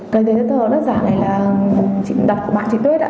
cái giấy tờ giả này là đọc của bạn chị tuyết ạ